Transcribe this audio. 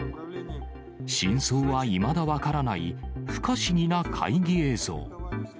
真相はいまだ分からない、不可思議な会議映像。